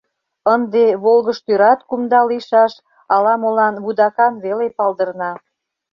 Ынде волгыжтӱрат кумда лийшаш, ала-молан вудакан веле палдырна.